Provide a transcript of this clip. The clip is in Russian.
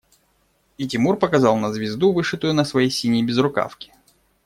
И Тимур показал на звезду, вышитую на своей синей безрукавке.